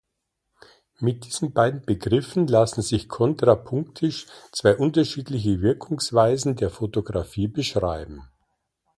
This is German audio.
Mit diesen beiden Begriffen lassen sich kontrapunktisch zwei unterschiedliche Wirkungsweisen der Photographie beschreiben.